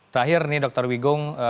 terakhir nih dokter wigung